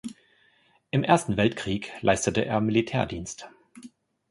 Im Ersten Weltkrieg leistete er Militärdienst.